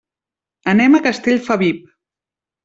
Anem a Castellfabib.